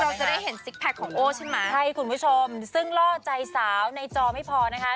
เราจะได้เห็นซิกแพคของโอ้ใช่ไหมใช่คุณผู้ชมซึ่งล่อใจสาวในจอไม่พอนะคะ